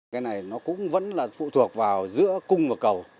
cái này nó cũng vẫn là phụ thuộc vào giữa cung và cầu